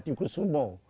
ada kibagos yadigusumo